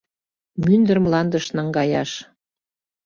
Мӱндыр мландыш наҥгаяш.